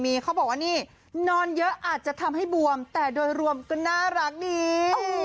มีเขาบอกว่านี่นอนเยอะอาจจะทำให้บวมแต่โดยรวมก็น่ารักดี